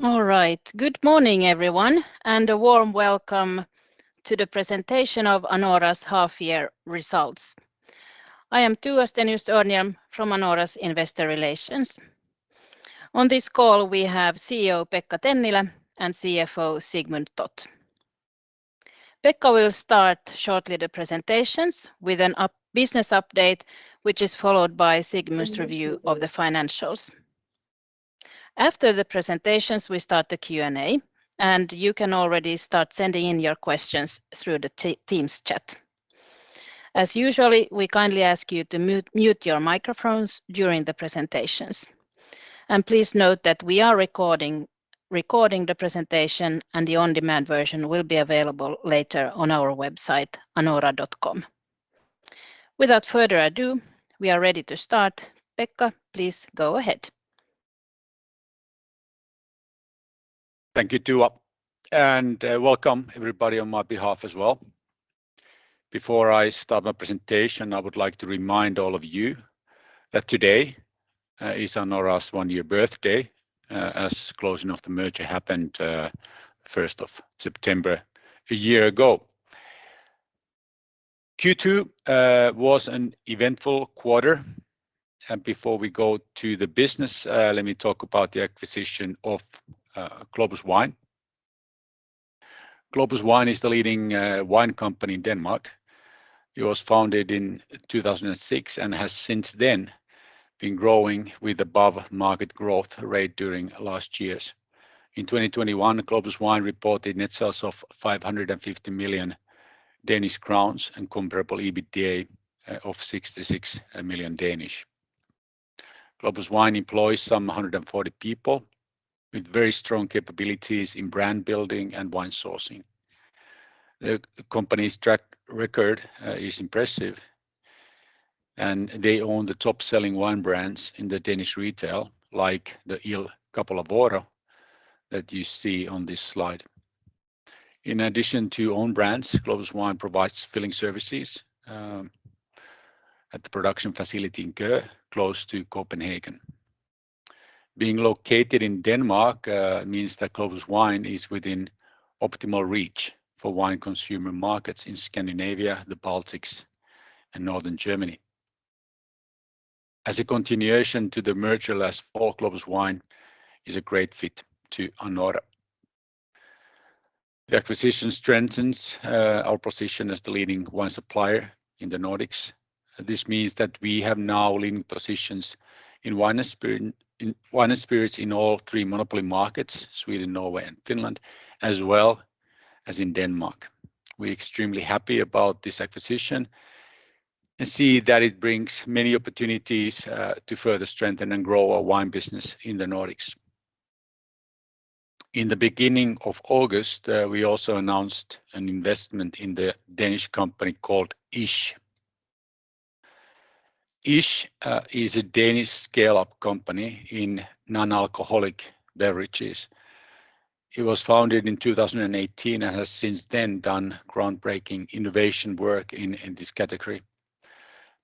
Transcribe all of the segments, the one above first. All right. Good morning, everyone, and a warm welcome to the presentation of Anora's half year results. I am Tua Stenius-Örnhjelm from Anora's Investor Relations. On this call, we have CEO Pekka Tennilä and CFO Sigmund Toth. Pekka will start shortly the presentations with a business update, which is followed by Sigmund's review of the financials. After the presentations, we start the Q&A, and you can already start sending in your questions through the Teams chat. As usual, we kindly ask you to mute your microphones during the presentations. Please note that we are recording the presentation, and the on-demand version will be available later on our website, anora.com. Without further ado, we are ready to start. Pekka, please go ahead. Thank you, Tua, and welcome everybody on my behalf as well. Before I start my presentation, I would like to remind all of you that today is Anora's one-year birthday, as closing of the merger happened first of September a year ago. Q2 was an eventful quarter, and before we go to the business, let me talk about the acquisition of Globus Wine. Globus Wine is the leading wine company in Denmark. It was founded in 2006 and has since then been growing with above market growth rate during last years. In 2021, Globus Wine reported net sales of 550 million Danish crowns and comparable EBITDA of 66 million. Globus Wine employs some 140 people with very strong capabilities in brand building and wine sourcing. The company's track record is impressive, and they own the top-selling wine brands in the Danish retail, like the Il Capolavoro that you see on this slide. In addition to own brands, Globus Wine provides filling services at the production facility in Køge, close to Copenhagen. Being located in Denmark means that Globus Wine is within optimal reach for wine consumer markets in Scandinavia, the Baltics, and Northern Germany. As a continuation to the merger last fall, Globus Wine is a great fit to Anora. The acquisition strengthens our position as the leading wine supplier in the Nordics. This means that we have now leading positions in wine and spirits in all three monopoly markets, Sweden, Norway, and Finland, as well as in Denmark. We're extremely happy about this acquisition and see that it brings many opportunities to further strengthen and grow our wine business in the Nordics. In the beginning of August, we also announced an investment in the Danish company called ISH. ISH is a Danish scale-up company in non-alcoholic beverages. It was founded in 2018 and has since then done groundbreaking innovation work in this category.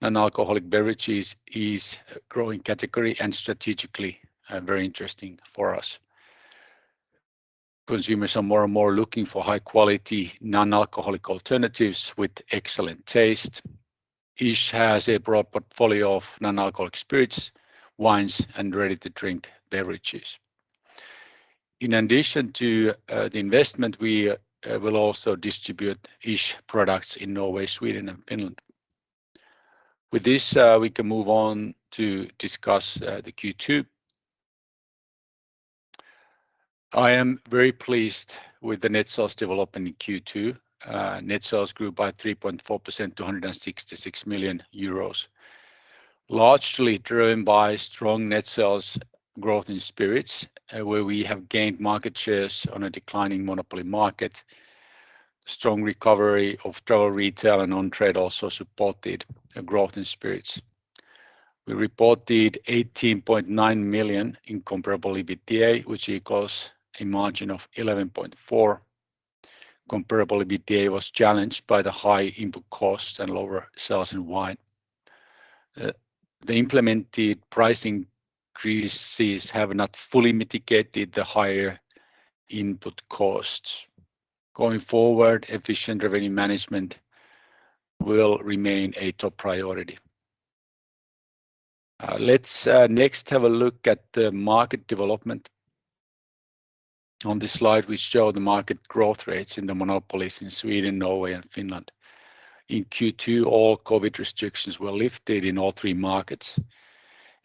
Non-alcoholic beverages is a growing category and strategically very interesting for us. Consumers are more and more looking for high-quality non-alcoholic alternatives with excellent taste. ISH has a broad portfolio of non-alcoholic spirits, wines, and ready-to-drink beverages. In addition to the investment, we will also distribute ISH products in Norway, Sweden, and Finland. With this, we can move on to discuss the Q2. I am very pleased with the net sales development in Q2. Net sales grew by 3.4% to 166 million euros, largely driven by strong net sales growth in spirits, where we have gained market shares on a declining monopoly market. Strong recovery of travel retail and on-trade also supported a growth in spirits. We reported 18.9 million in comparable EBITDA, which equals a margin of 11.4%. Comparable EBITDA was challenged by the high input costs and lower sales in wine. The implemented pricing increases have not fully mitigated the higher input costs. Going forward, efficient revenue management will remain a top priority. Let's next have a look at the market development. On this slide, we show the market growth rates in the monopolies in Sweden, Norway, and Finland. In Q2, all COVID restrictions were lifted in all three markets.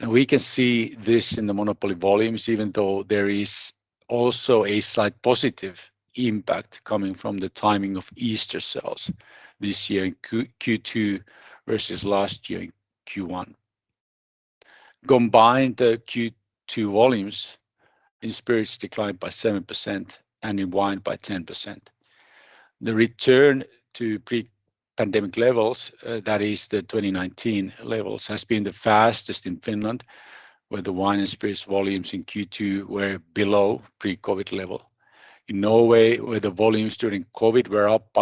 We can see this in the monopoly volumes, even though there is also a slight positive impact coming from the timing of Easter sales this year in Q2 versus last year in Q1. Combined, the Q2 volumes in spirits declined by 7% and in wine by 10%. The return to pre-pandemic levels, that is the 2019 levels, has been the fastest in Finland, where the wine and spirits volumes in Q2 were below pre-COVID level. In Norway, where the volumes during COVID were up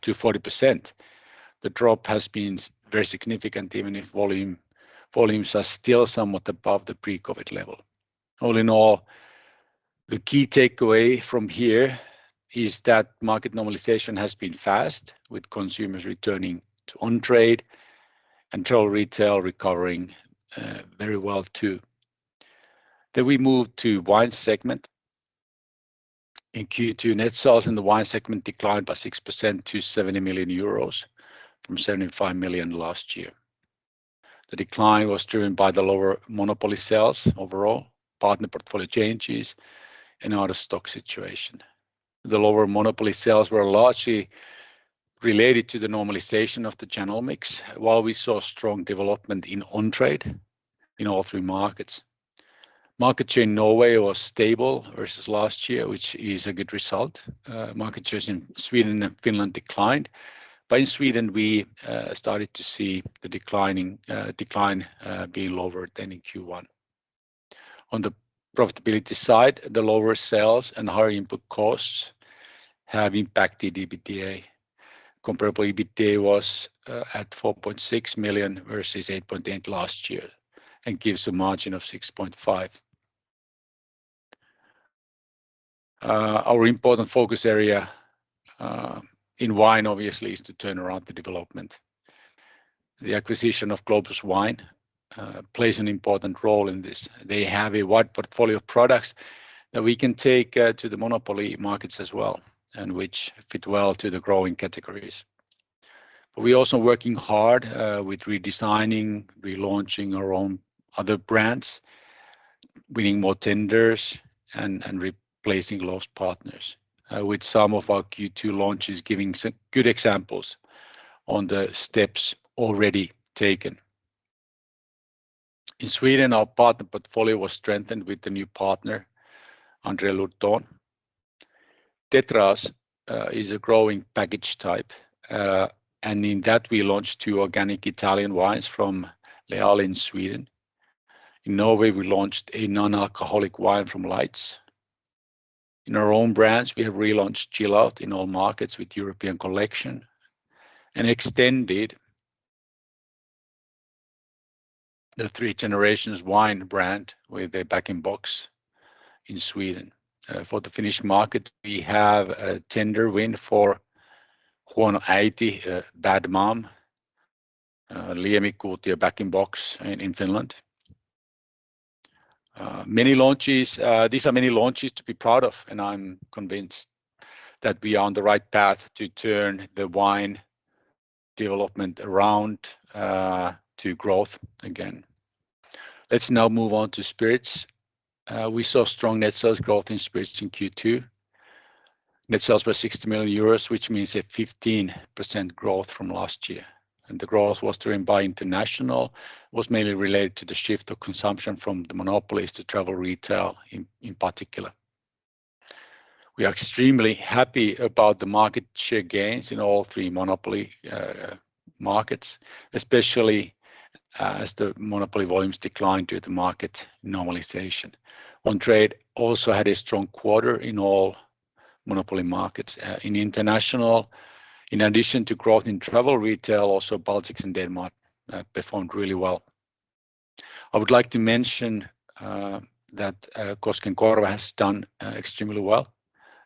to 40%. The drop has been very significant, even if volumes are still somewhat above the pre-COVID level. All in all, the key takeaway from here is that market normalization has been fast, with consumers returning to on-trade and travel retail recovering very well too. We move to wine segment. In Q2, net sales in the wine segment declined by 6% to 70 million euros from 75 million last year. The decline was driven by the lower monopoly sales overall, partner portfolio changes and out of stock situation. The lower monopoly sales were largely related to the normalization of the channel mix, while we saw strong development in on-trade in all three markets. Market share in Norway was stable versus last year, which is a good result. Market shares in Sweden and Finland declined, but in Sweden, we started to see the decline being lower than in Q1. On the profitability side, the lower sales and higher input costs have impacted EBITDA. Comparable EBITDA was at 4.6 million versus 8.8 million last year and gives a margin of 6.5%. Our important focus area in wine obviously is to turn around the development. The acquisition of Globus Wine plays an important role in this. They have a wide portfolio of products that we can take to the monopoly markets as well and which fit well to the growing categories. We're also working hard with redesigning, relaunching our own other brands, winning more tenders and replacing lost partners with some of our Q2 launches giving good examples on the steps already taken. In Sweden, our partner portfolio was strengthened with the new partner, André Lurton. Tetra is a growing package type and in that we launched two organic Italian wines from Leale in Sweden. In Norway, we launched a non-alcoholic wine from Lyre's. In our own brands, we have relaunched Chill Out in all markets with European Collection and extended the Three Generations Wine brand with a bag-in-box in Sweden. For the Finnish market, we have a tender win for Huono Äiti, Bad Mom, Liemikuutio bag-in-box in Finland. Many launches. These are many launches to be proud of, and I'm convinced that we are on the right path to turn the wine development around, to growth again. Let's now move on to spirits. We saw strong net sales growth in spirits in Q2. Net sales were 60 million euros, which means a 15% growth from last year, and the growth was mainly related to the shift of consumption from the monopolies to travel retail in particular. We are extremely happy about the market share gains in all three monopoly markets, especially as the monopoly volumes decline due to market normalization. On-trade also had a strong quarter in all monopoly markets. In international, in addition to growth in travel retail, also Baltics and Denmark performed really well. I would like to mention that Koskenkorva has done extremely well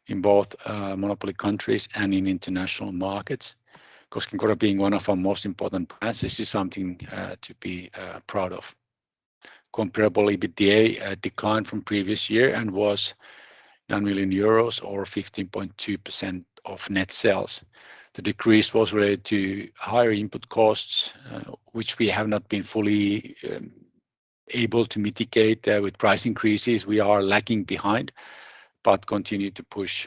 in both monopoly countries and in international markets. Koskenkorva being one of our most important brands, this is something to be proud of. Comparable EBITDA declined from previous year and was 9 million euros or 15.2% of net sales. The decrease was related to higher input costs, which we have not been fully able to mitigate with price increases, we are lagging behind, but continue to push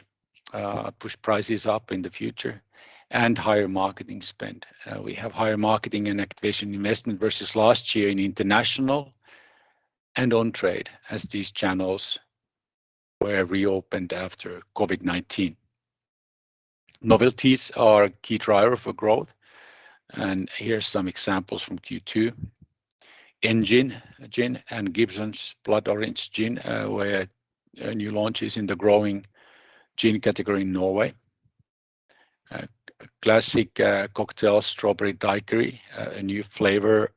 prices up in the future and higher marketing spend. We have higher marketing and activation investment versus last year in international and on-trade as these channels were reopened after COVID-19. Novelties are a key driver for growth, and here are some examples from Q2. Linie Gin and Gibson's Blood Orange Gin were new launches in the growing gin category in Norway. Classic Cocktail Strawberry Daiquiri, a new flavor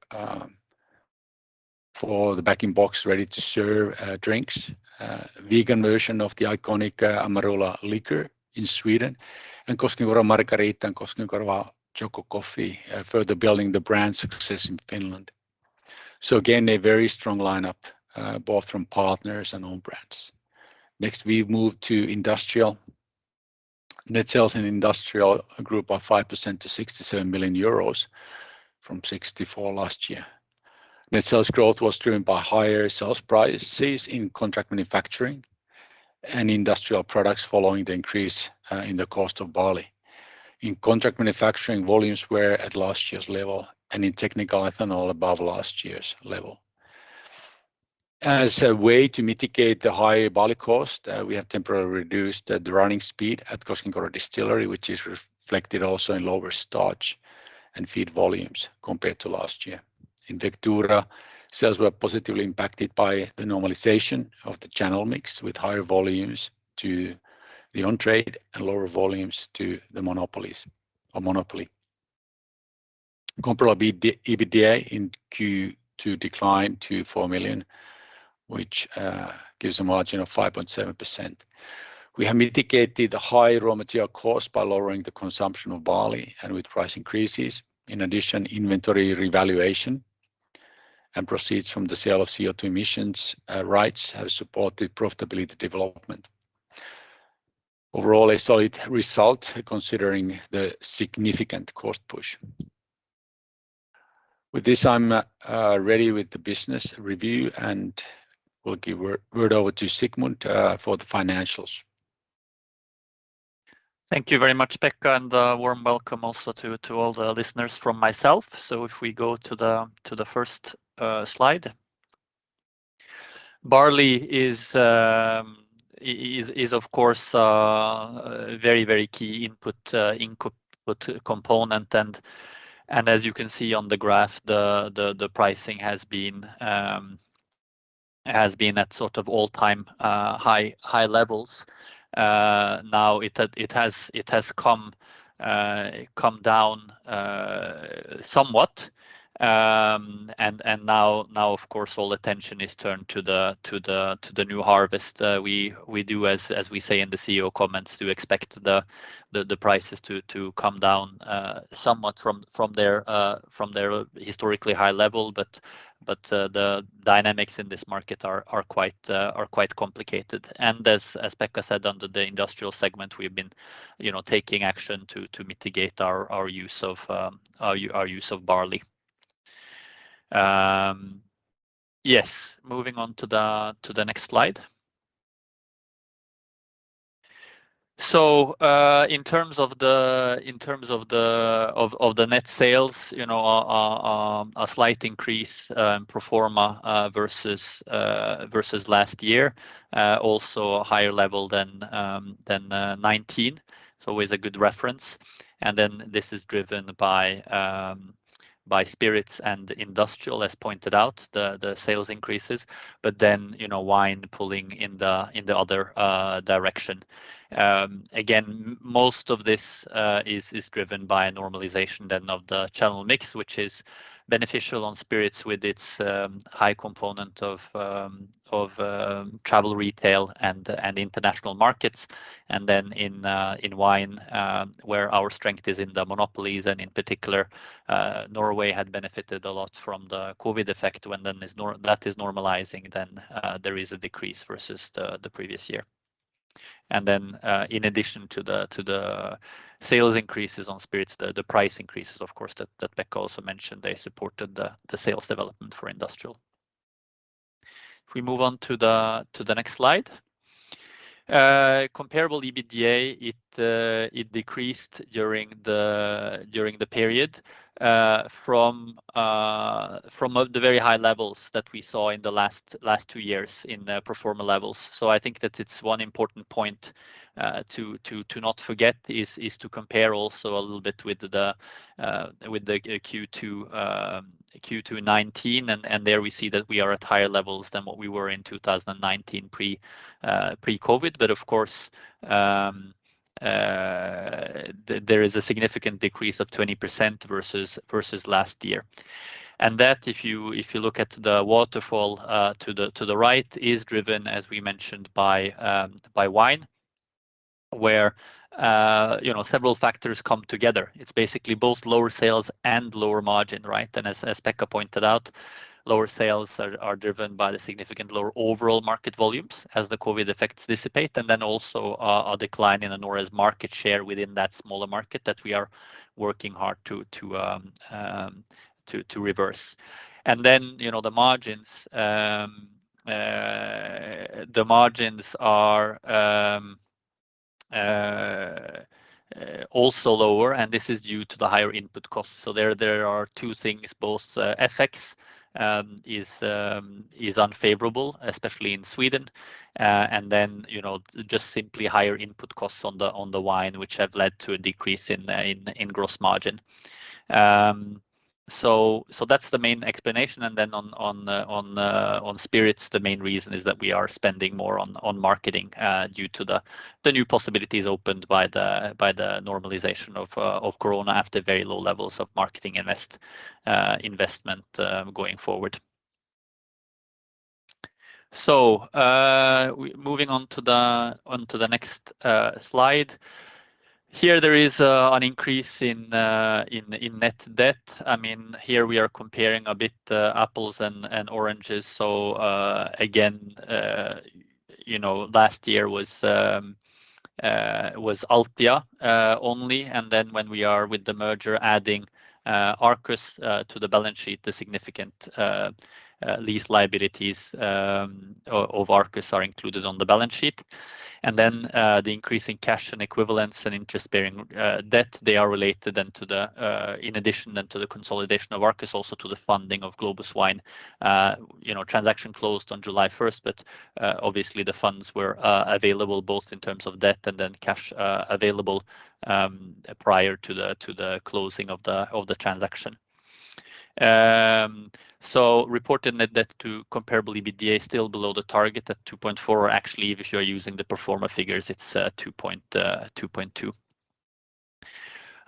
for the bag-in-box ready-to-serve drinks. Vegan version of the iconic Amarula liqueur in Sweden and Koskenkorva Margarita and Koskenkorva Choco Coffee, further building the brand success in Finland. Again, a very strong lineup both from partners and own brands. Next, we move to Industrial. Net sales in Industrial grew by 5% to 67 million euros from 64 million last year. Net sales growth was driven by higher sales prices in contract manufacturing and industrial products following the increase in the cost of barley. In contract manufacturing, volumes were at last year's level and in technical ethanol above last year's level. As a way to mitigate the high barley cost, we have temporarily reduced the running speed at Koskenkorva Distillery, which is reflected also in lower starch and feed volumes compared to last year. In Vectura, sales were positively impacted by the normalization of the channel mix with higher volumes to the on-trade and lower volumes to the monopoly. Comparable EBITDA in Q2 declined to 4 million, which gives a margin of 5.7%. We have mitigated the high raw material cost by lowering the consumption of barley and with price increases. In addition, inventory revaluation and proceeds from the sale of CO2 emissions rights have supported profitability development. Overall, a solid result considering the significant cost push. With this, I'm ready with the business review, and we'll give word over to Sigmund for the financials. Thank you very much, Pekka, and a warm welcome also to all the listeners from myself. If we go to the first slide. Barley is, of course, a very key input component. As you can see on the graph, the pricing has been at sort of all-time high levels. Now it has come down somewhat. Now, of course, all attention is turned to the new harvest. We do, as we say in the CEO comments, expect the prices to come down somewhat from their historically high level. The dynamics in this market are quite complicated. As Pekka said, under the industrial segment, we've been, you know, taking action to mitigate our use of barley. Yes, moving on to the next slide. In terms of the net sales, you know, a slight increase pro forma versus last year. Also a higher level than 2019. It's always a good reference. This is driven by spirits and industrial, as pointed out, the sales increases. You know, wine pulling in the other direction. Again, most of this is driven by a normalization of the channel mix, which is beneficial on spirits with its high component of travel retail and international markets. In wine, where our strength is in the monopolies, and in particular, Norway had benefited a lot from the COVID effect when that is normalizing, then there is a decrease versus the previous year. In addition to the sales increases on spirits, the price increases, of course, that Pekka also mentioned, they supported the sales development for industrial. If we move on to the next slide. Comparable EBITDA decreased during the period from the very high levels that we saw in the last two years in pro forma levels. I think that it's one important point to not forget is to compare also a little bit with the Q2 2019, and there we see that we are at higher levels than what we were in 2019 pre-COVID. Of course, there is a significant decrease of 20% versus last year. That, if you look at the waterfall to the right, is driven, as we mentioned, by wine, where you know, several factors come together. It's basically both lower sales and lower margin, right? As Pekka pointed out, lower sales are driven by the significantly lower overall market volumes as the COVID effects dissipate, and then also a decline in Anora's market share within that smaller market that we are working hard to reverse. You know, the margins are also lower, and this is due to the higher input costs. There are two things, both FX is unfavorable, especially in Sweden, and then, you know, just simply higher input costs on the wine, which have led to a decrease in gross margin. That's the main explanation. On spirits, the main reason is that we are spending more on marketing due to the new possibilities opened by the normalization of Corona after very low levels of marketing investment going forward. Moving on to the next slide. Here there is an increase in net debt. I mean, here we are comparing a bit apples and oranges. Again, you know, last year was Altia only, and then when we are with the merger adding Arcus to the balance sheet, the significant lease liabilities of Arcus are included on the balance sheet. The increase in cash and equivalents and interest-bearing debt, they are related then to the in addition then to the consolidation of Arcus, also to the funding of Globus Wine. You know, transaction closed on July 1, but obviously the funds were available both in terms of debt and then cash available prior to the closing of the transaction. Reported net debt to comparable EBITDA is still below the target at 2.4. Actually, if you're using the pro forma figures, it's two point two.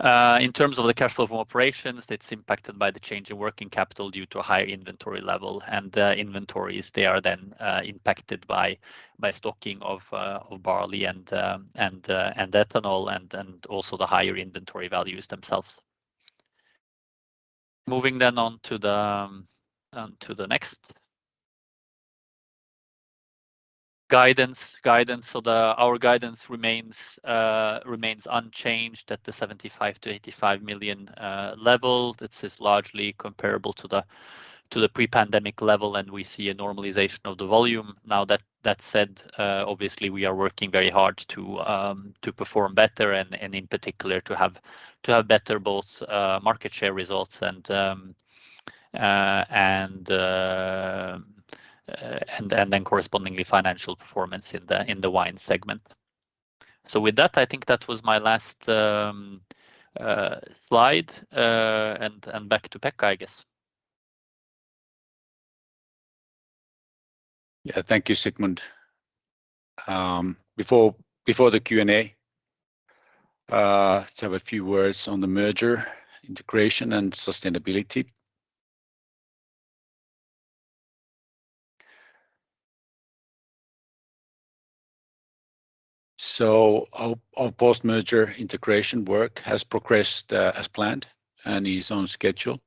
In terms of the cash flow from operations, it's impacted by the change in working capital due to a higher inventory level. Inventories, they are then impacted by stocking of barley and ethanol and also the higher inventory values themselves. Moving on to the next. Guidance. Our guidance remains unchanged at the 75 million-85 million level. This is largely comparable to the pre-pandemic level, and we see a normalization of the volume. That said, obviously we are working very hard to perform better and in particular to have better both market share results and then correspondingly financial performance in the wine segment. With that, I think that was my last slide, and back to Pekka, I guess. Yeah. Thank you, Sigmund. Before the Q&A, let's have a few words on the merger integration and sustainability. Our post-merger integration work has progressed as planned and is on schedule.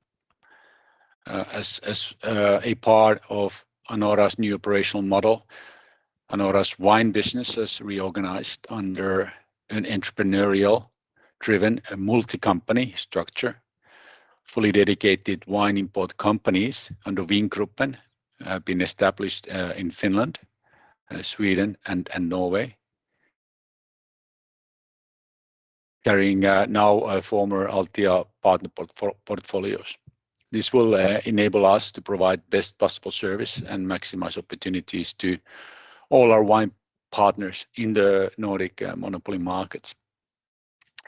As a part of Anora's new operational model, Anora's wine business has reorganized under an entrepreneurial-driven multi-company structure. Fully dedicated wine import companies under Vingruppen have been established in Finland, Sweden and Norway carrying now former Altia partner portfolios. This will enable us to provide best possible service and maximize opportunities to all our wine partners in the Nordic monopoly markets.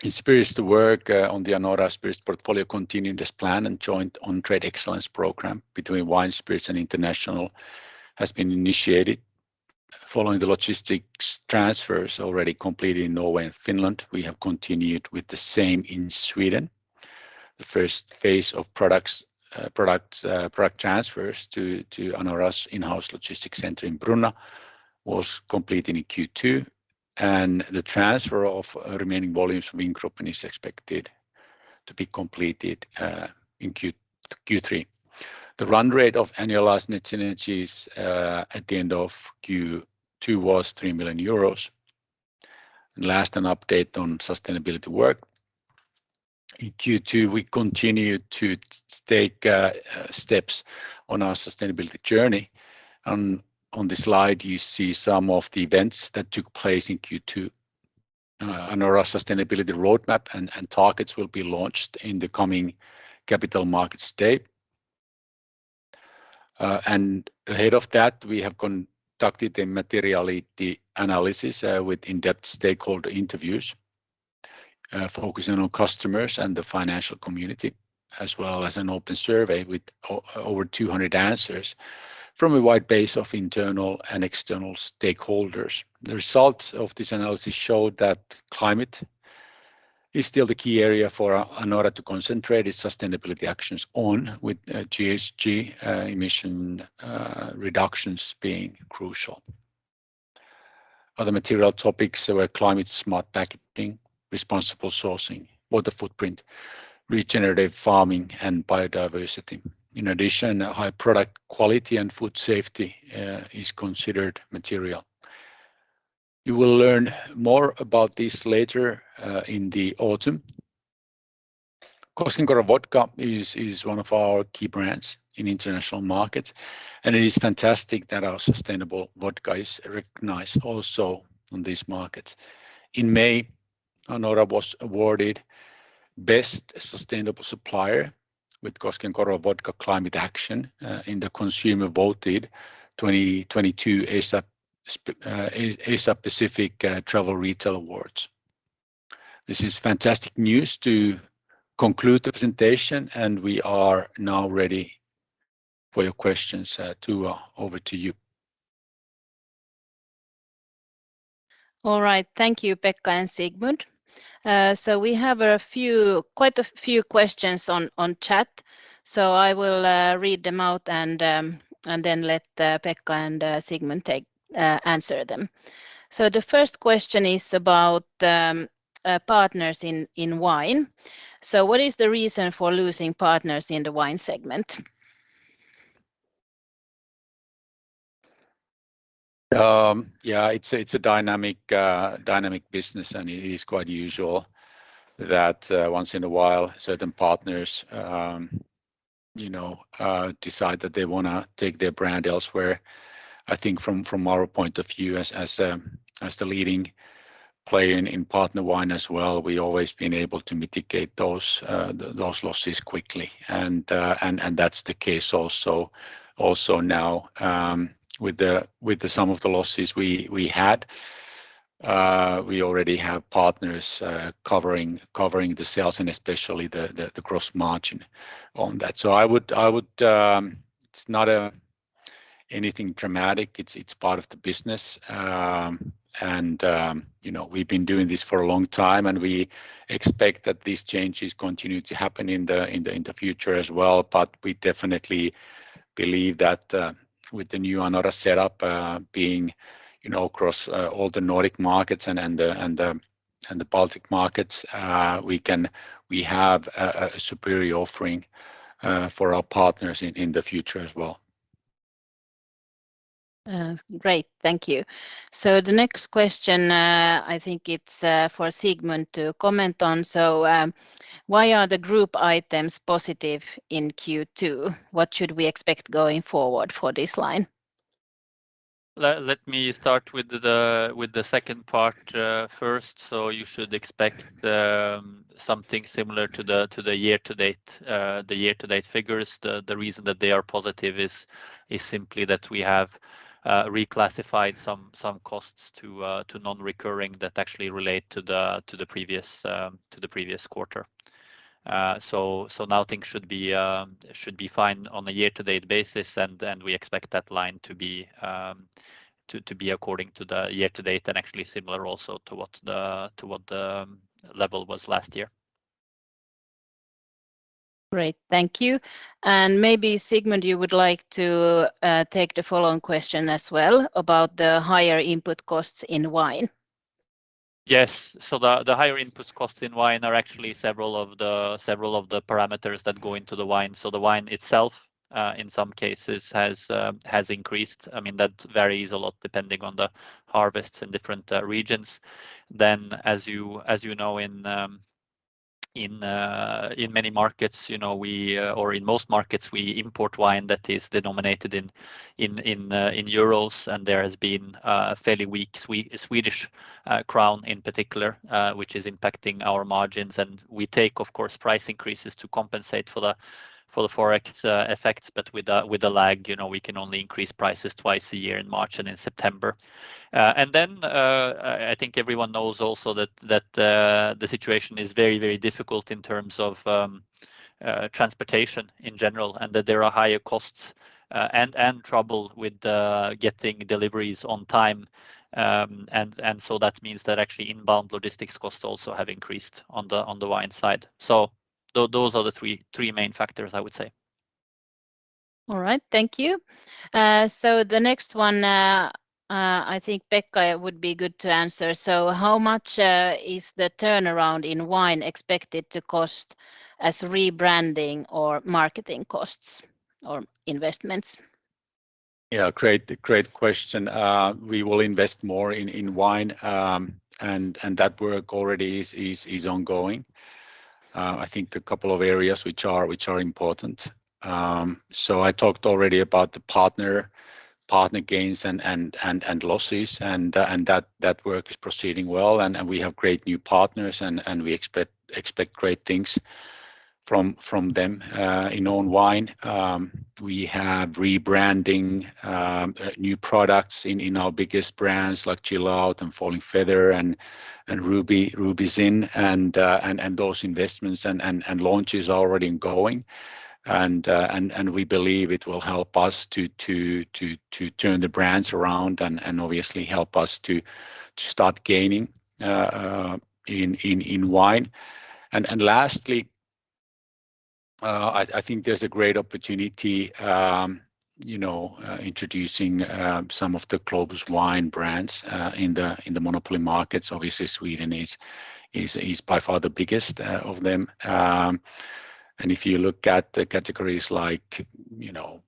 In spirits, the work on the Anora Spirits portfolio continued as planned and joint on trade excellence program between Wine Spirits and International has been initiated. Following the logistics transfers already completed in Norway and Finland, we have continued with the same in Sweden. The first phase of product transfers to Anora's in-house logistics center in Brunna was completed in Q2, and the transfer of remaining volumes from Vingruppen is expected to be completed in Q3. The run rate of annualized net synergies at the end of Q2 was 3 million euros. Last, an update on sustainability work. In Q2, we continued to take steps on our sustainability journey. On this slide, you see some of the events that took place in Q2. Anora sustainability roadmap and targets will be launched in the coming Capital Markets Day. Ahead of that, we have conducted a materiality analysis with in-depth stakeholder interviews, focusing on customers and the financial community, as well as an open survey with over 200 answers from a wide base of internal and external stakeholders. The results of this analysis showed that climate is still the key area for Anora to concentrate its sustainability actions on with GHG emission reductions being crucial. Other material topics were climate-smart packaging, responsible sourcing, water footprint, regenerative farming, and biodiversity. In addition, high product quality and food safety is considered material. You will learn more about this later in the autumn. Koskenkorva Vodka is one of our key brands in international markets, and it is fantastic that our sustainable vodka is recognized also on these markets. In May, Anora was awarded Best Sustainable Supplier with Koskenkorva Vodka climate action in the consumer-voted 2022 Asia Pacific Travel Retail Awards. This is fantastic news to conclude the presentation, and we are now ready for your questions. Tua, over to you. All right. Thank you, Pekka and Sigmund. We have a few, quite a few questions on chat, so I will read them out and then let Pekka and Sigmund take answer them. The first question is about partners in wine. What is the reason for losing partners in the wine segment? Yeah, it's a dynamic business, and it is quite usual that once in a while, certain partners, you know, decide that they wanna take their brand elsewhere. I think from our point of view as the leading player in partner wine as well, we always been able to mitigate those losses quickly. That's the case also now with some of the losses we had. We already have partners covering the sales and especially the gross margin on that. It's not anything dramatic. It's part of the business. You know, we've been doing this for a long time, and we expect that these changes continue to happen in the future as well. We definitely believe that with the new Anora set up, being you know across all the Nordic markets and the Baltic markets, we have a superior offering for our partners in the future as well. Great. Thank you. The next question, I think it's for Sigmund to comment on. Why are the group items positive in Q2? What should we expect going forward for this line? Let me start with the second part first. You should expect something similar to the year to date figures. The reason that they are positive is simply that we have reclassified some costs to non-recurring that actually relate to the previous quarter. Now things should be fine on a year to date basis. We expect that line to be according to the year to date and actually similar also to what the level was last year. Great. Thank you. Maybe, Sigmund, you would like to take the follow-on question as well about the higher input costs in wine. Yes. The higher input costs in wine are actually several of the parameters that go into the wine. The wine itself, in some cases, has increased. I mean, that varies a lot depending on the harvests in different regions. As you know, in many markets, you know, or in most markets, we import wine that is denominated in euros. There has been a fairly weak Swedish crown in particular, which is impacting our margins. We take, of course, price increases to compensate for the Forex effects. With a lag, you know, we can only increase prices twice a year, in March and in September. I think everyone knows also that the situation is very, very difficult in terms of transportation in general, and that there are higher costs, and trouble with getting deliveries on time. That means that actually inbound logistics costs also have increased on the wine side. Those are the three main factors, I would say. All right. Thank you. The next one, I think, Pekka, would be good to answer. How much is the turnaround in wine expected to cost as rebranding or marketing costs or investments? Yeah. Great. Great question. We will invest more in wine, and that work already is ongoing. I think a couple of areas which are important. So I talked already about the partner gains and losses, and that work is proceeding well. We have great new partners and we expect great things from them. In own wine, we have rebranding, new products in our biggest brands like Chill Out and Falling Feather and Ruby Zin, and those investments and launches already ongoing. We believe it will help us to turn the brands around and obviously help us to start gaining in wine. Lastly, I think there's a great opportunity, you know, introducing some of the Globus Wine brands in the monopoly markets. Obviously, Sweden is by far the biggest of them. If you look at the categories like, you know,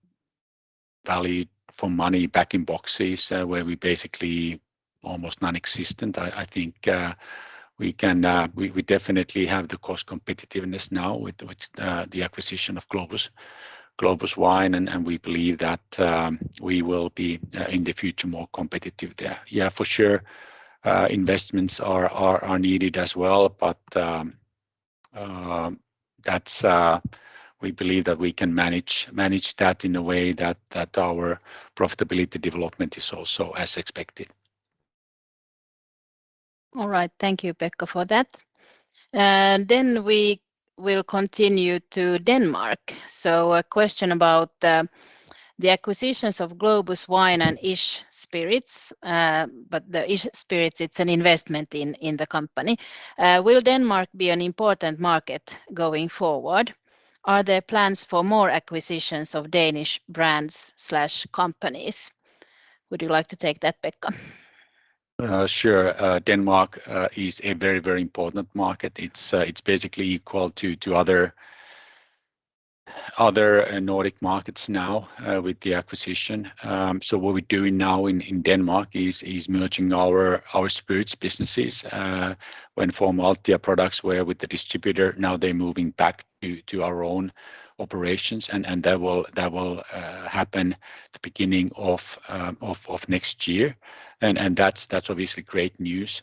value for money bag-in-boxes, where we basically almost nonexistent, I think we can we definitely have the cost competitiveness now with the acquisition of Globus Wine. We believe that we will be in the future more competitive there. Yeah, for sure, investments are needed as well. That's, we believe, that we can manage that in a way that our profitability development is also as expected. All right. Thank you, Pekka, for that. We will continue to Denmark. A question about the acquisitions of Globus Wine and ISH, but the ISH, it's an investment in the company. Will Denmark be an important market going forward? Are there plans for more acquisitions of Danish brands/companies? Would you like to take that, Pekka? Sure. Denmark is a very, very important market. It's basically equal to other Nordic markets now with the acquisition. What we're doing now in Denmark is merging our spirits businesses. When former Altia products were with the distributor, now they're moving back to our own operations. That will happen the beginning of next year. That's obviously great news.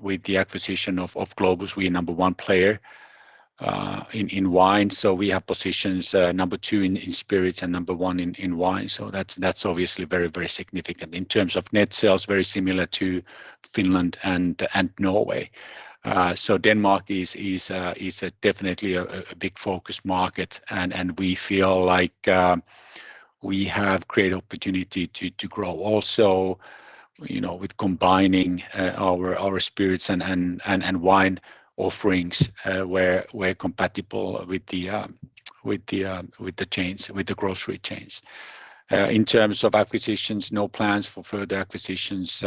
With the acquisition of Globus, we are number one player in wine. We have positions number two in spirits and number one in wine. That's obviously very, very significant. In terms of net sales, very similar to Finland and Norway. Denmark is definitely a big focus market and we feel like we have great opportunity to grow also, you know, with combining our spirits and wine offerings where we're compatible with the chains, with the grocery chains. In terms of acquisitions, no plans for further acquisitions.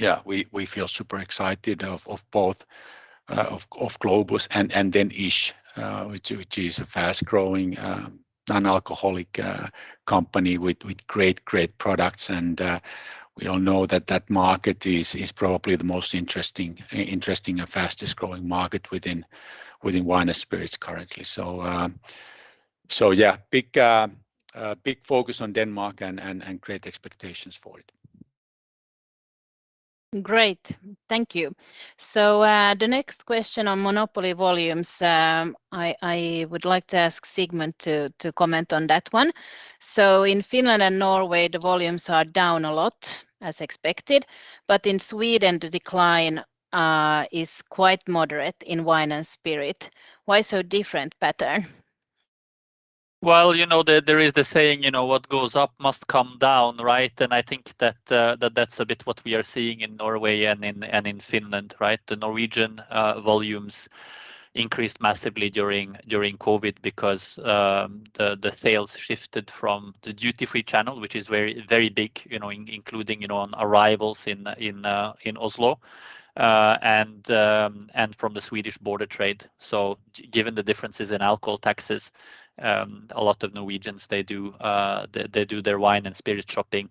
Yeah, we feel super excited of both Globus and then ISH, which is a fast-growing non-alcoholic company with great products and we all know that market is probably the most interesting and fastest-growing market within wine and spirits currently. Yeah, big focus on Denmark and great expectations for it. Great. Thank you. The next question on monopoly volumes, I would like to ask Sigmund to comment on that one. In Finland and Norway, the volumes are down a lot as expected, but in Sweden, the decline is quite moderate in wine and spirit. Why so different pattern? Well, you know, there is the saying, you know, what goes up must come down, right? I think that that's a bit what we are seeing in Norway and in Finland, right? The Norwegian volumes increased massively during COVID because the sales shifted from the duty-free channel, which is very big, you know, including on arrivals in Oslo and from the Swedish border trade. Given the differences in alcohol taxes, a lot of Norwegians they do their wine and spirit shopping,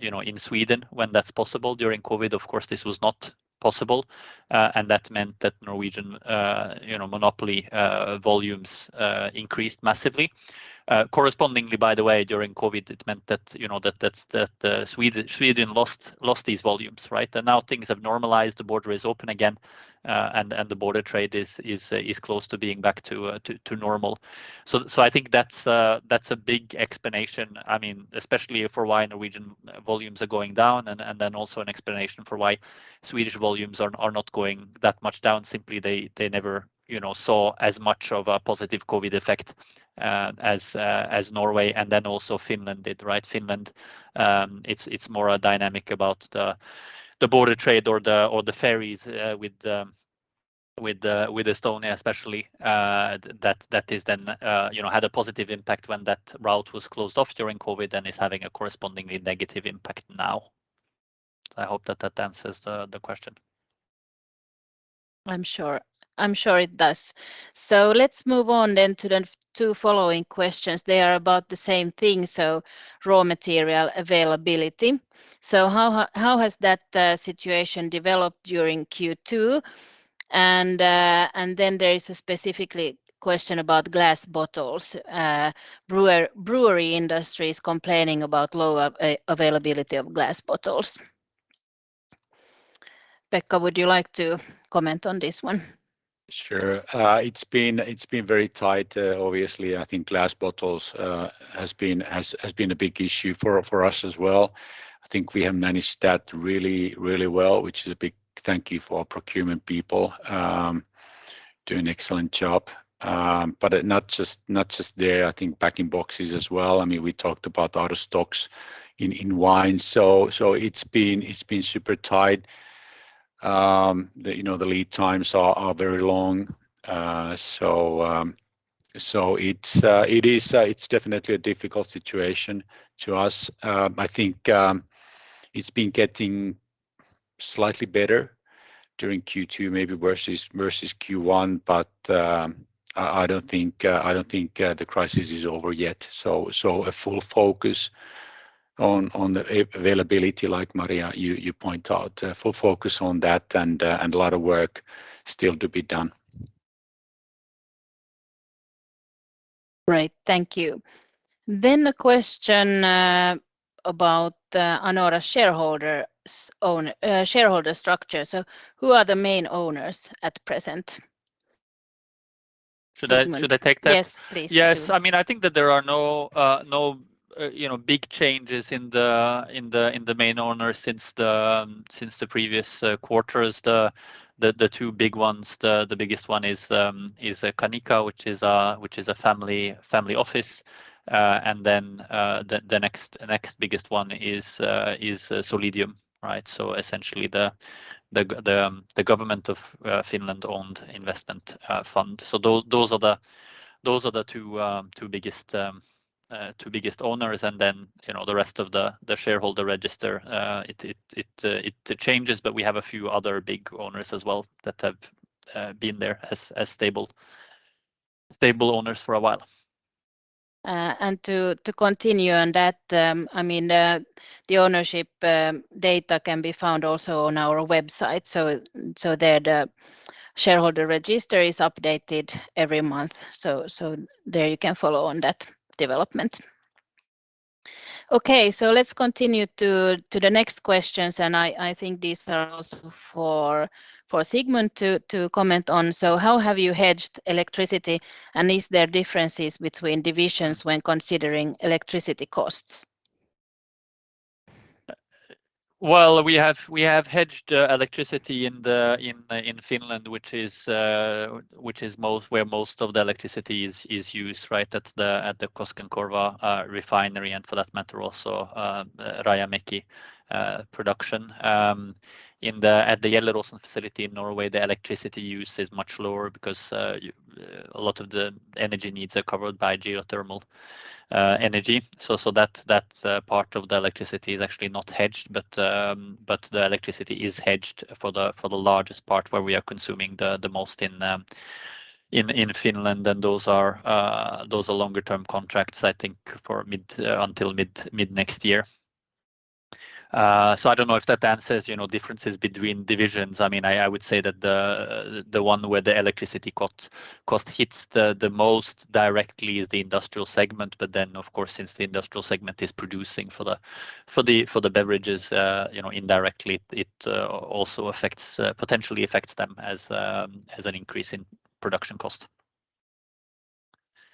you know, in Sweden when that's possible. During COVID, of course, this was not possible and that meant that Norwegian monopoly volumes increased massively. Correspondingly, by the way, during COVID, it meant that, you know, Sweden lost these volumes, right? Now things have normalized. The border is open again, and the border trade is close to being back to normal. I think that's a big explanation, I mean, especially for why Norwegian volumes are going down and then also an explanation for why Swedish volumes are not going that much down. Simply, they never, you know, saw as much of a positive COVID effect as Norway and then also Finland did, right? Finland, it's more a dynamic about the border trade or the ferries with Estonia especially, that is then, you know, had a positive impact when that route was closed off during COVID and is having a correspondingly negative impact now. I hope that answers the question. I'm sure. I'm sure it does. Let's move on then to the two following questions. They are about the same thing, so raw material availability. How has that situation developed during Q2? And then there is a specific question about glass bottles. Brewery industry is complaining about low availability of glass bottles. Pekka, would you like to comment on this one? Sure. It's been very tight, obviously. I think glass bottles has been a big issue for us as well. I think we have managed that really well, which is a big thank you for our procurement people, doing excellent job. Not just there, I think packing boxes as well. I mean, we talked about out of stocks in wine, so it's been super tight. You know, the lead times are very long. It's definitely a difficult situation to us. I think it's been getting slightly better during Q2, maybe versus Q1, but I don't think the crisis is over yet. A full focus on the availability, like Maria, you point out. Full focus on that and a lot of work still to be done. Great. Thank you. The question about Anora shareholder structure. Who are the main owners at present? Should I- Sigmund Should I take that? Yes, please. Yes. I mean, I think that there are no, you know, big changes in the main owners since the previous quarters. The two big ones, the biggest one is Canica, which is a family office. Then, the next biggest one is Solidium, right? Essentially the government of Finland-owned investment fund. Those are the two biggest owners and then, you know, the rest of the shareholder register. It changes, but we have a few other big owners as well that have been there as stable owners for a while. To continue on that, I mean, the ownership data can be found also on our website. There the shareholder register is updated every month. There you can follow on that development. Let's continue to the next questions, and I think these are also for Sigmund to comment on. How have you hedged electricity, and is there differences between divisions when considering electricity costs? Well, we have hedged electricity in Finland, which is where most of the electricity is used, right at the Koskenkorva refinery, and for that matter also Rajamäki production. At the Gjelleråsen facility in Norway, the electricity use is much lower because a lot of the energy needs are covered by geothermal energy. That part of the electricity is actually not hedged, but the electricity is hedged for the largest part where we are consuming the most in Finland. Those are longer-term contracts, I think until mid next year. I don't know if that answers, you know, differences between divisions. I mean, I would say that the one where the electricity cost hits the most directly is the industrial segment. Of course, since the industrial segment is producing for the beverages, you know, indirectly it also potentially affects them as an increase in production cost.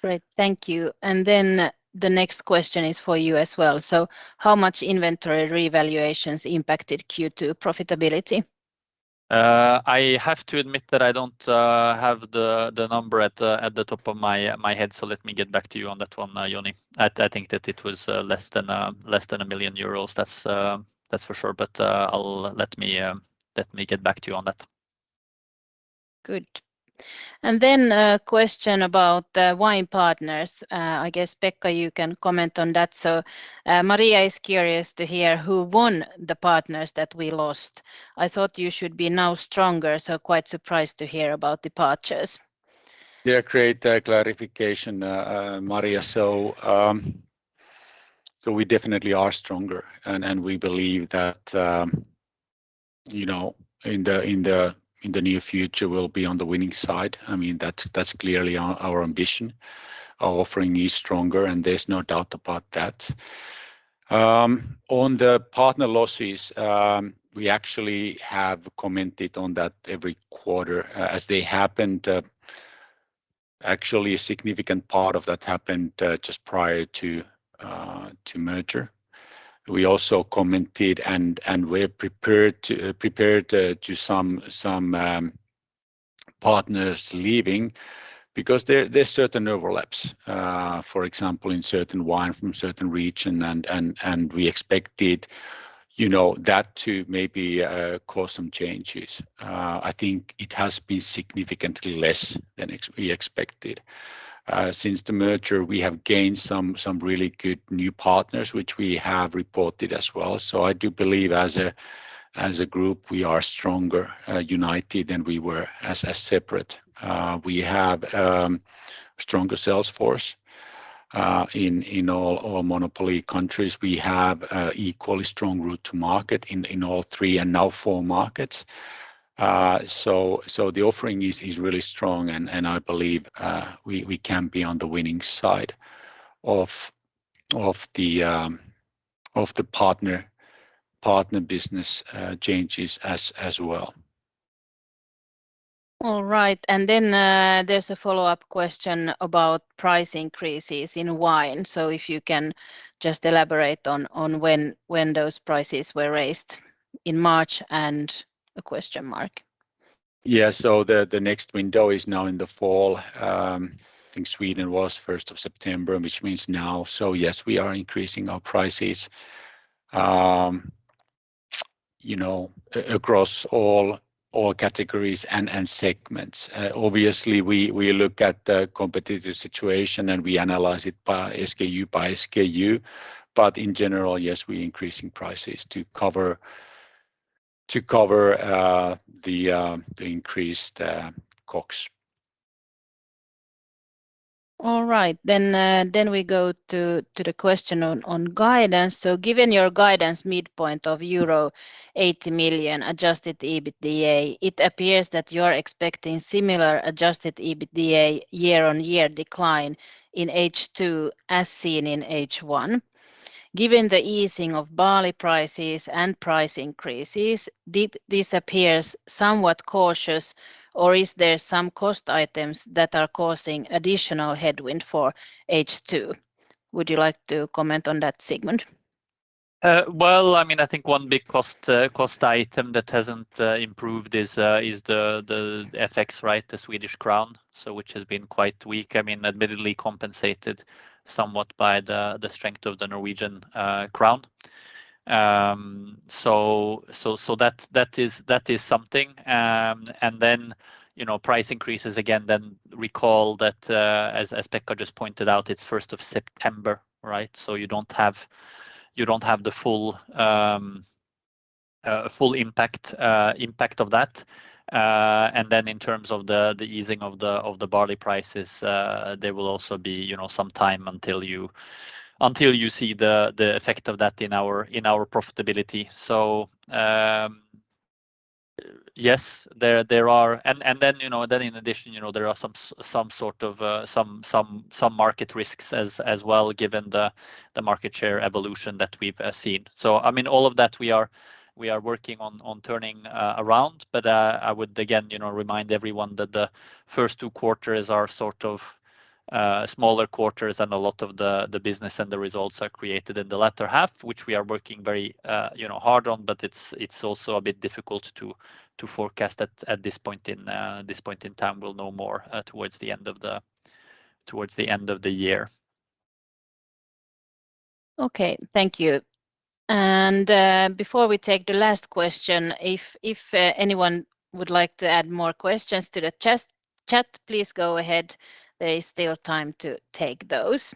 Great. Thank you. The next question is for you as well. How much inventory revaluations impacted Q2 profitability? I have to admit that I don't have the number at the top of my head, so let me get back to you on that one, Joni. I think that it was less than EUR 1 million. That's for sure. Let me get back to you on that. Good. A question about the wine partners. I guess, Pekka, you can comment on that. Maria is curious to hear who were the partners that we lost. I thought you should be now stronger, so quite surprised to hear about departures. Yeah, great clarification, Maria. We definitely are stronger and we believe that, you know, in the near future we'll be on the winning side. I mean, that's clearly our ambition. Our offering is stronger, and there's no doubt about that. On the partner losses, we actually have commented on that every quarter as they happened. Actually a significant part of that happened just prior to merger. We also commented and we're prepared to some partners leaving because there's certain overlaps, for example, in certain wine from certain region and we expected, you know, that to maybe cause some changes. I think it has been significantly less than we expected. Since the merger, we have gained some really good new partners, which we have reported as well. I do believe as a group, we are stronger united than we were as separate. We have stronger sales force in all our monopoly countries. We have an equally strong route to market in all three and now four markets. The offering is really strong and I believe we can be on the winning side of the partner business changes as well. All right. There's a follow-up question about price increases in wine. If you can just elaborate on when those prices were raised in March? Yeah. The next window is now in the fall. I think Sweden was first of September, which means now. Yes, we are increasing our prices, you know, across all categories and segments. Obviously we look at the competitive situation, and we analyze it by SKU. In general, yes, we increasing prices to cover the increased costs. All right. We go to the question on guidance. Given your guidance midpoint of euro 80 million adjusted EBITDA, it appears that you're expecting similar adjusted EBITDA year-on-year decline in H2 as seen in H1. Given the easing of barley prices and price increases, this appears somewhat cautious or is there some cost items that are causing additional headwind for H2? Would you like to comment on that, Sigmund? Well, I mean, I think one big cost item that hasn't improved is the FX rate, the Swedish crown, so which has been quite weak. I mean, admittedly compensated somewhat by the strength of the Norwegian crown. So that is something. Then, you know, price increases again, then recall that as Pekka just pointed out, it's first of September, right? You don't have the full impact of that. Then in terms of the easing of the barley prices, there will also be, you know, some time until you see the effect of that in our profitability. Yes, there are. You know, in addition, you know, there are some sort of market risks as well, given the market share evolution that we've seen. I mean, all of that we are working on turning around. I would again, you know, remind everyone that the first two quarters are sort of smaller quarters, and a lot of the business and the results are created in the latter half, which we are working very, you know, hard on, but it's also a bit difficult to forecast at this point in time. We'll know more towards the end of the year. Okay. Thank you. Before we take the last question, if anyone would like to add more questions to the chat, please go ahead. There is still time to take those.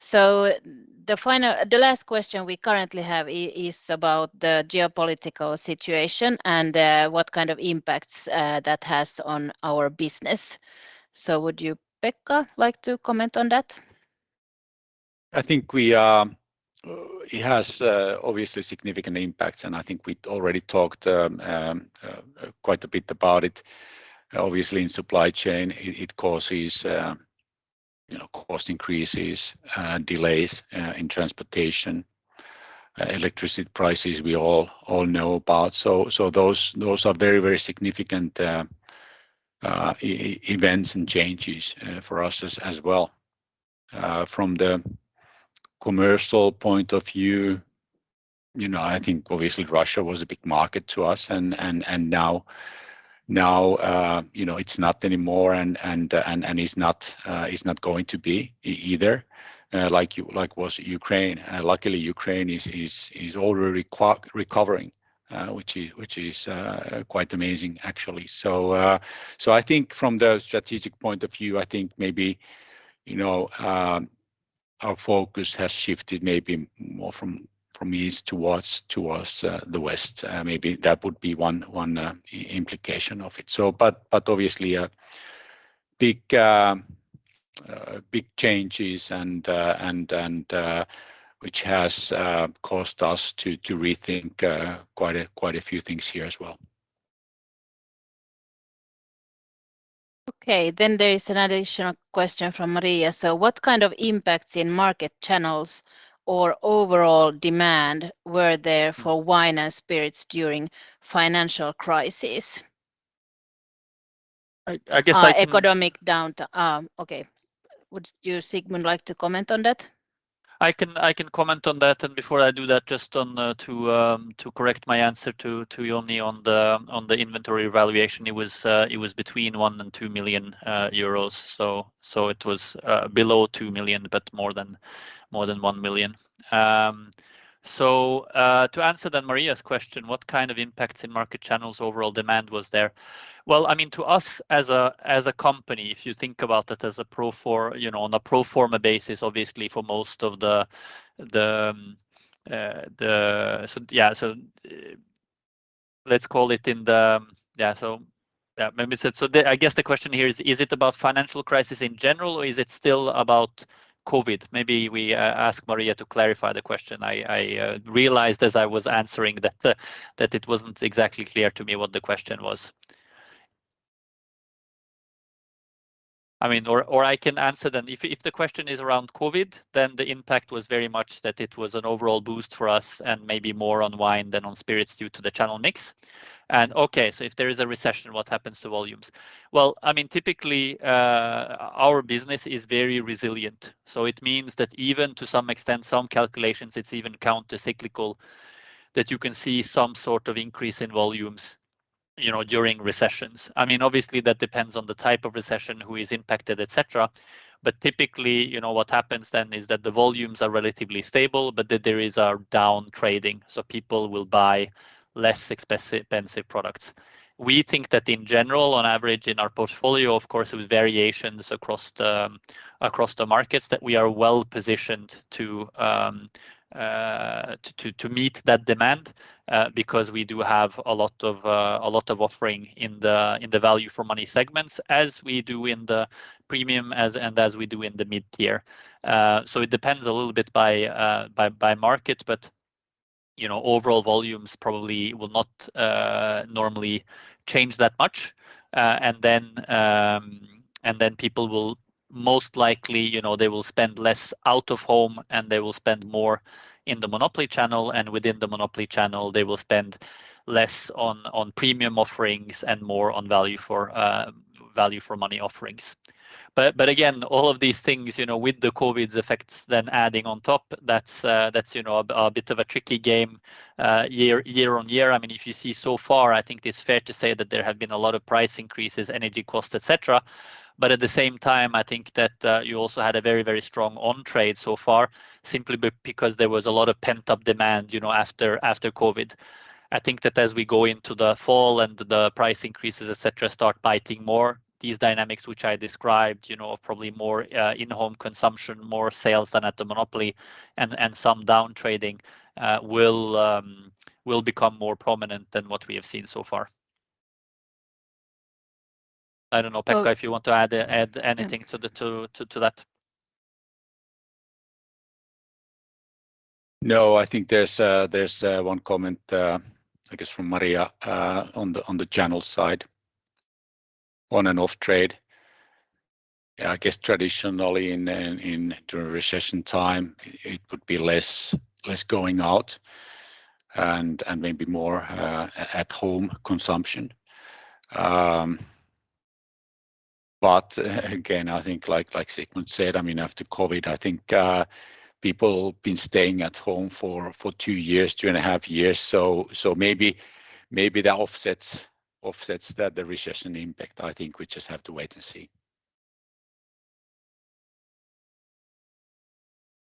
The last question we currently have is about the geopolitical situation and what kind of impacts that has on our business. Would you, Pekka, like to comment on that? I think it has obviously significant impacts. I think we already talked quite a bit about it. Obviously, in supply chain it causes you know, cost increases, delays in transportation, electricity prices we all know about. Those are very significant events and changes for us as well. From the commercial point of view, you know, I think obviously Russia was a big market to us and now, you know, it's not anymore and is not going to be either, like Ukraine. Luckily Ukraine is already recovering, which is quite amazing actually. I think from the strategic point of view, I think maybe, you know, our focus has shifted maybe more from east towards the west. Maybe that would be one implication of it. Obviously big changes, which has caused us to rethink quite a few things here as well. Okay. There is an additional question from Maria. What kind of impacts in market channels or overall demand were there for wine and spirits during financial crisis? I guess I can. Economic downturn. Okay. Would you, Sigmund, like to comment on that? I can comment on that. Before I do that, just to correct my answer to Joni on the inventory valuation. It was between 1 million and 2 million euros. It was below 2 million, but more than 1 million. To answer then Maria's question, what kind of impacts in market channels overall demand was there? Well, I mean, to us as a company, if you think about it on a pro forma basis, obviously for most of the. The question here is it about financial crisis in general, or is it still about COVID? Maybe we ask Maria to clarify the question. I realized as I was answering that it wasn't exactly clear to me what the question was. I mean, or I can answer then. If the question is around COVID, then the impact was very much that it was an overall boost for us and maybe more on wine than on spirits due to the channel mix. Okay, so if there is a recession, what happens to volumes? Well, I mean, typically, our business is very resilient, so it means that even to some extent, some calculations, it's even countercyclical that you can see some sort of increase in volumes, you know, during recessions. I mean, obviously that depends on the type of recession, who is impacted, et cetera. Typically, you know, what happens then is that the volumes are relatively stable, but that there is a down trading, so people will buy less expensive products. We think that in general, on average in our portfolio, of course, with variations across the markets, that we are well positioned to meet that demand, because we do have a lot of offering in the value for money segments as we do in the premium and as we do in the mid-tier. It depends a little bit by market, but, you know, overall volumes probably will not normally change that much. People will most likely, you know, they will spend less out of home, and they will spend more in the monopoly channel, and within the monopoly channel they will spend less on premium offerings and more on value for money offerings. But again, all of these things, you know, with the COVID's effects then adding on top, that's, you know, a bit of a tricky game, year on year. I mean, if you see so far, I think it's fair to say that there have been a lot of price increases, energy costs, et cetera. But at the same time, I think that you also had a very strong on trade so far simply because there was a lot of pent-up demand, you know, after COVID. I think that as we go into the fall and the price increases, et cetera, start biting more, these dynamics which I described, you know, of probably more in-home consumption, more sales than at the monopoly and some down trading will become more prominent than what we have seen so far. I don't know, Pekka, if you want to add anything to that. No, I think there's one comment, I guess from Maria, on the channel side on and off trade. Yeah, I guess traditionally in during recession time it would be less going out and maybe more at home consumption. But again, I think like Sigmund said, I mean, after COVID, I think people been staying at home for two years, two and a half years, so maybe the offsets the recession impact. I think we just have to wait and see.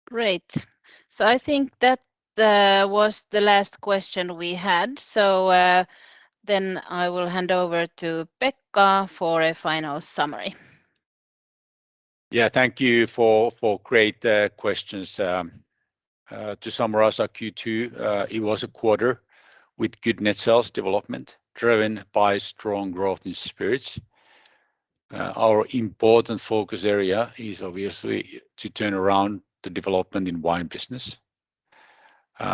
Great. I think that was the last question we had. Then I will hand over to Pekka for a final summary. Yeah, thank you for great questions. To summarize our Q2, it was a quarter with good net sales development driven by strong growth in spirits. Our important focus area is obviously to turn around the development in wine business.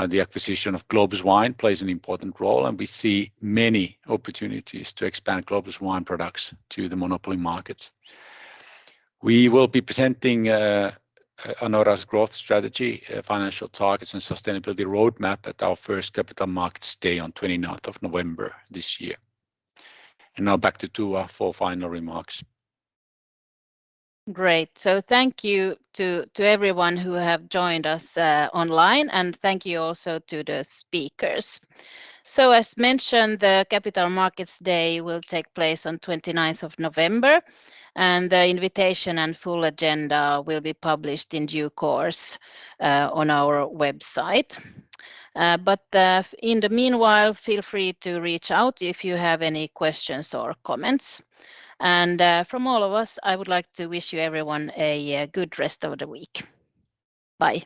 The acquisition of Globus Wine plays an important role, and we see many opportunities to expand Globus Wine products to the monopoly markets. We will be presenting Anora's growth strategy, financial targets and sustainability roadmap at our first Capital Markets Day on twenty-ninth of November this year. Now back to Tua for final remarks. Great. Thank you to everyone who have joined us online, and thank you also to the speakers. As mentioned, the Capital Markets Day will take place on 29th of November, and the invitation and full agenda will be published in due course on our website. In the meanwhile, feel free to reach out if you have any questions or comments. From all of us, I would like to wish you everyone a good rest of the week. Bye.